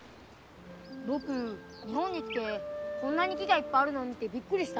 僕日本に来てこんなに木がいっぱいあるなんてびっくりした。